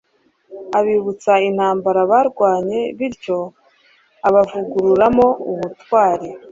abibutsa intambara barwanye, bityo abavugururamo ubutwari